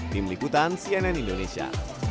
tim likutan cnn indonesia